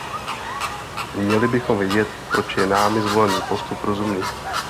Měli bychom vědět, proč je námi zvolený postup rozumný.